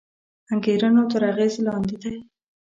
انګېرنو تر اغېز لاندې دی